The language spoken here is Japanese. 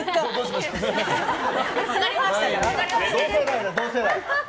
同世代だ、同世代。